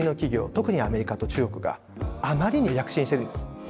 特にアメリカと中国があまりに躍進しているんです。